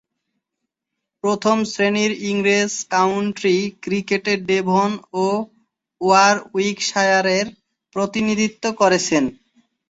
প্রথম-শ্রেণীর ইংরেজ কাউন্টি ক্রিকেটে ডেভন ও ওয়ারউইকশায়ারের প্রতিনিধিত্ব করেছেন।